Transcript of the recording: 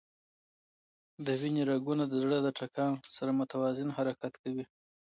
د وینې رګونه د زړه د ټکان سره متوازن حرکت کوي.